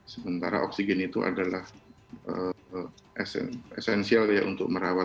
sementara oksigen itu adalah esensial ya untuk merawat